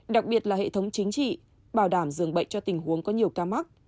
đặc biệt là hệ thống chính trị bảo đảm dường bệnh cho tình huống có nhiều ca mắc